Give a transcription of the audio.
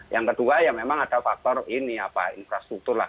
yang kedua ya memang ada faktor ini apa infrastruktur lah